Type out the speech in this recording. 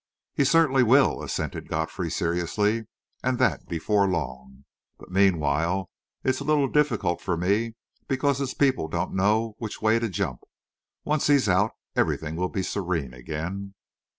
"He certainly will," assented Godfrey seriously, "and that before long. But meanwhile it's a little difficult for me, because his people don't know which way to jump. Once he's out, everything will be serene again."